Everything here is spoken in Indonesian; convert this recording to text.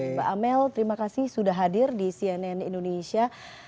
mbak amel terima kasih sudah hadir di cnn indonesia